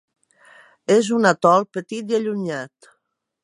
És un atol petit i allunyat.